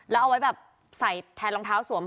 แล้วเอาไว้แบบใส่แทนรองเท้าสวม